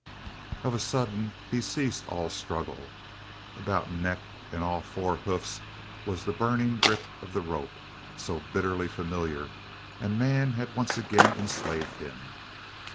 Of a sudden he ceased all struggle. About neck and all four hoofs was the burning grip of the rope, so bitterly familiar, and man had once again enslaved him.